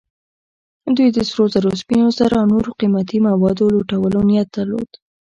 دوی د سرو زرو، سپینو زرو او نورو قیمتي موادو لوټلو نیت درلود.